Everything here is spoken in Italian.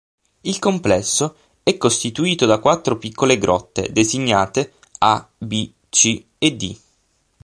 Il complesso è costituito da quattro piccole grotte, designate "A", "B", "C" e "D".